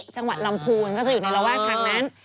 จังหวัดลำพูนก็จะอยู่ในระแวกทางนั้น